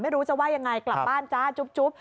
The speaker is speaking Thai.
ไม่รู้จะว่ายังไงกลับบ้านจ้าจุ๊บ